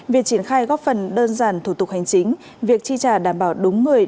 việc triển khai góp phần đơn giản thủ tục hành chính việc chi trả đảm bảo đúng người